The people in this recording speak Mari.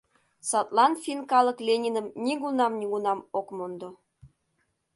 Садлан финн калык Лениным нигунам-нигунам ок мондо.